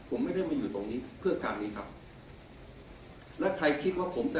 ผมไม่ได้มาอยู่ตรงนี้เพื่อการนี้ครับแล้วใครคิดว่าผมจะ